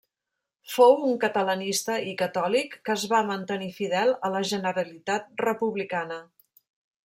Fou un catalanista i catòlic que es va mantenir fidel a la Generalitat republicana.